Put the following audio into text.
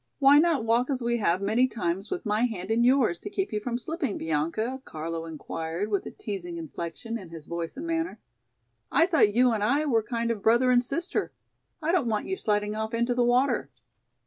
"Why not walk as we have many times with my hand in your's to keep you from slipping, Bianca?" Carlo inquired with a teasing inflection in his voice and manner. "I thought you and I were kind of brother and sister. I don't want you sliding off into the water."